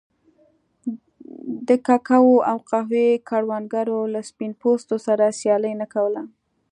د کوکو او قهوې کروندګرو له سپین پوستو سره سیالي نه کوله.